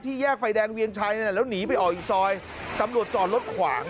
แยกไฟแดงเวียงชัยนั่นแหละแล้วหนีไปออกอีกซอยตำรวจจอดรถขวาง